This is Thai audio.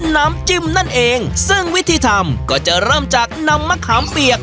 น้ำจิ้มนั่นเองซึ่งวิธีทำก็จะเริ่มจากนำมะขามเปียก